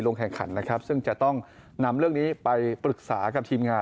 แข่งขันนะครับซึ่งจะต้องนำเรื่องนี้ไปปรึกษากับทีมงาน